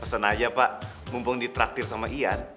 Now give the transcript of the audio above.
pesan aja pak mumpung ditraktir sama ian